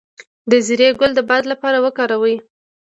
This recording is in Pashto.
د زیرې ګل د باد لپاره وکاروئ